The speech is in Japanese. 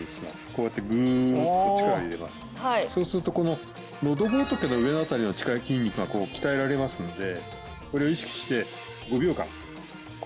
こうやってグーッと力を入れますそうすると喉仏の上のあたりの筋肉が鍛えられますのでこれを意識して５秒間なる！